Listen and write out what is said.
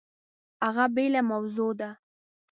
هغه بېله موضوع ده!